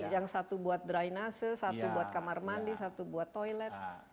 yang satu buat dry nasa satu buat kamar mandi satu buat toilet